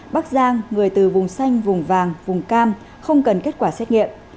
bắc giang người từ vùng xanh vùng vàng vùng cam không cần kết quả xét nghiệm